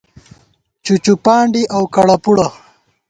چُوچُوپانڈی اؤ کڑہ پُڑہ